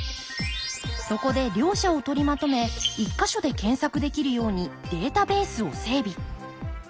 そこで両者を取りまとめ１か所で検索できるようにデータベースを整備。